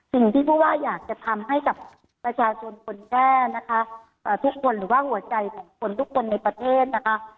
สิ่งที่ผู้ว่าอยากจะทำให้กับประชาชนคนแรกนะคะทุกคนหรือว่าหัวใจของคนทุกคนในประเทศนะคะ